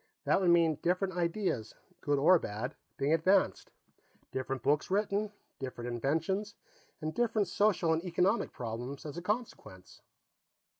That would mean different ideas, good or bad, being advanced; different books written; different inventions, and different social and economic problems as a consequence."